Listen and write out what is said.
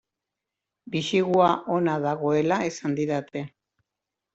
Bisigua ona dagoela esan didate.